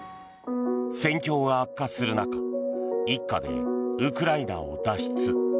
戦況が悪化する中一家でウクライナを脱出。